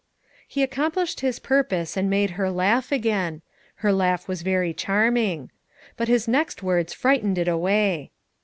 He accomplished his purpose and made her laugh again; her laugh was very charming. But his next words frightened it away.